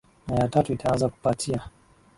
na ya tatu itaanza kupatia